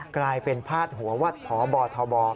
กลายเป็นภาษาหัววัดพบพบ